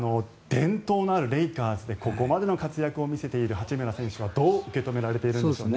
伝統のあるレイカーズでここまでの活躍を見せている八村選手はどう受け止められているんでしょうね。